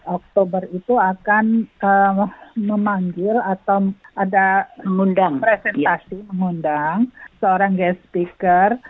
oktober itu akan memanggil atau ada presentasi mengundang seorang guest speaker